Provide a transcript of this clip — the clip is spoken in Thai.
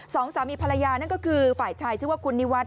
สองสามีภรรยานั่นก็คือฝ่ายชายชื่อว่าคุณนิวัฒ